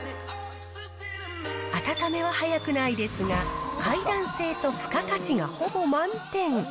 温めは早くないですが、快暖性と付加価値がほぼ満点。